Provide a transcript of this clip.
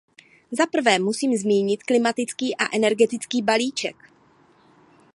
Zaprvé musím zmínit klimatický a energetický balíček.